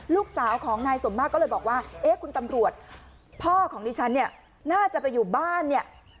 ลูกสาวของนายสมมากก็เลยบอกว่าเอ๊ะคุณตำรวจพ่อของดิฉันเนี่ยน่าจะไปอยู่บ้านเนี่ย